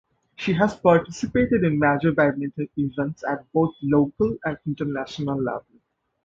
She has participated in major badminton events at both local and international level.